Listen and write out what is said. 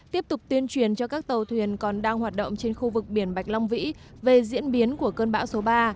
tiếp tục tuyên truyền cho các tàu thuyền còn đang hoạt động trên khu vực biển bạch long vĩ về diễn biến của cơn bão số ba